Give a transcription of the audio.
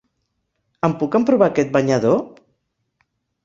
Em puc emprovar aquest banyador?